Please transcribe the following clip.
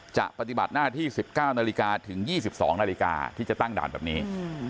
ปฏิบัติหน้าที่๑๙นาฬิกาถึง๒๒นาฬิกาที่จะตั้งด่านแบบนี้